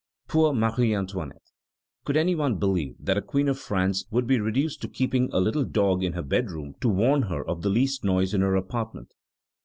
Poor Marie Antoinette! Could one believe that a Queen of France would be reduced to keeping a little dog in her bedroom to warn her of the least noise in her apartment?